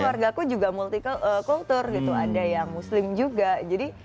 keluarga aku juga multi kultur gitu ada yang muslim juga jadi